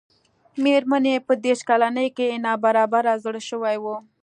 مېرمن يې په دېرش کلنۍ کې ناببره زړه شوې وه.